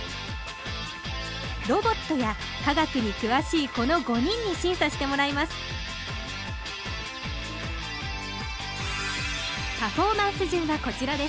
ロボットや科学に詳しいこの５人に審査してもらいますパフォーマンス順はこちらです。